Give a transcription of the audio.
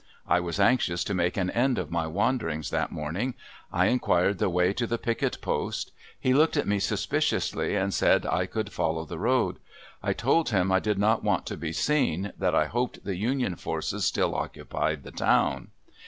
I was anxious to make an end of my wanderings that morning. I inquired the way to the picket post. He looked at me suspiciously, and said I could follow the road. I told him I did not want to be seen; that I hoped the Union forces still occupied the town.